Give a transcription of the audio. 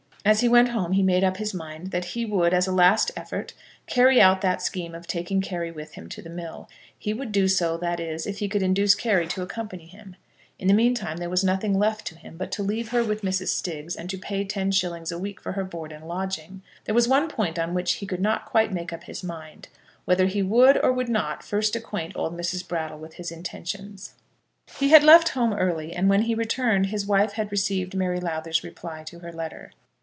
As he went home he made up his mind that he would, as a last effort, carry out that scheme of taking Carry with him to the mill; he would do so, that is, if he could induce Carry to accompany him. In the meantime, there was nothing left to him but to leave her with Mrs. Stiggs, and to pay ten shillings a week for her board and lodging. There was one point on which he could not quite make up his mind; whether he would or would not first acquaint old Mrs. Brattle with his intention. He had left home early, and when he returned his wife had received Mary Lowther's reply to her letter.